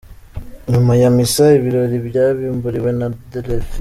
Nyuma ya misa, ibirori byabimburiwe na defile.